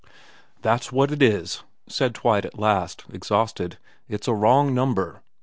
' That's what it is,' said Twite at last, exhausted. ' It's a wrong number.'